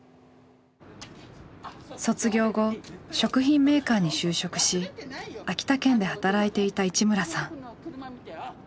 卒業後食品メーカーに就職し秋田県で働いていた市村さん。